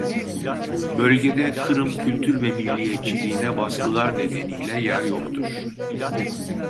Bölgede Kırım kültür ve milliyetçiliğine baskılar nedeniyle yer yoktur.